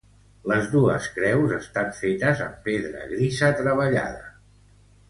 Les dos creus estan fetes amb pedra grisa treballada.